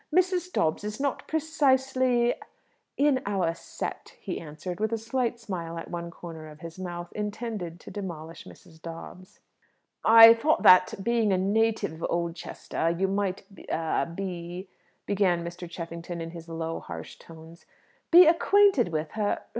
Mrs. Dobbs is not precisely in our set," he answered, with a slight smile at one corner of his mouth, intended to demolish Mrs. Dobbs. "I thought that, being a native of Oldchester, you might a be " begun Mr. Cheffington in his low, harsh tones. "Be acquainted with her?